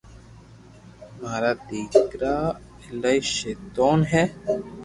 مارا ديڪرا ايلائي ݾيطئن ھي